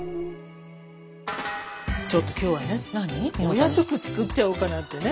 お夜食作っちゃおうかなんてね。